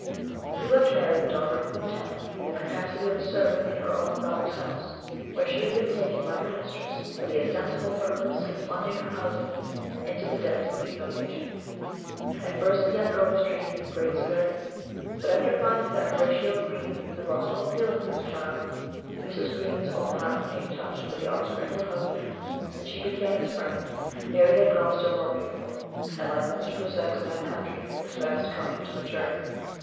WE left Mary, the daughter of Clotel, in the capacity of a servant in her own father's house, where she had been taken by her mistress for the ostensible purpose of plunging her husband into the depths of humiliation. At first the young girl was treated with great severity; but after finding that Horatio Green had lost all feeling for his child, Mrs. Green's own heart became touched for the offspring of her husband, and she became its friend. Mary had grown still more beautiful, and, like most of her sex in that country, was fast coming to maturity.